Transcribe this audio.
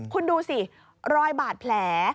คุณดูสิรอยบาดแผล